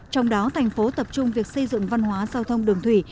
trong đó thành phố tập trung việc xây dựng văn hóa giao thông đường thủy